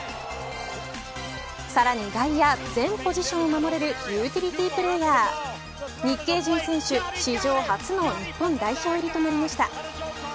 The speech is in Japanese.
さらに外野全ポジションを守れるユーティリティープレーヤー日系人選手史上初の日本代表入りとなりました。